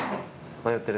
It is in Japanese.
迷ってる？